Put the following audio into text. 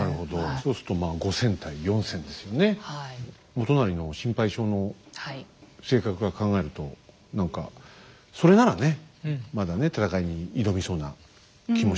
元就の心配性の性格から考えると何かそれならねまだね戦いに挑みそうな気もしますけどね。